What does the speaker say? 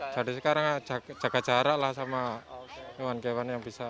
dari sekarang jaga jarak lah sama hewan hewan yang bisa